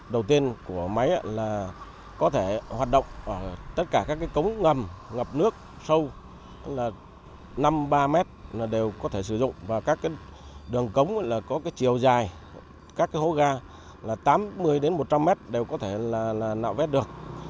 đó là năm ba mét đều có thể sử dụng và các đường cống có chiều dài các hố ga là tám mươi một trăm linh mét đều có thể nạo vét được